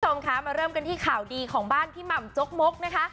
คุณผู้ชมคะมาเริ่มกันที่ข่าวดีของบ้านพี่หม่ำจกมกนะคะ